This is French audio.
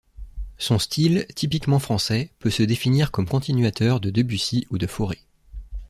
Son style, typiquement français, peut se définir comme continuateur de Debussy ou de Fauré.